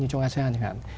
như trong asean chẳng hạn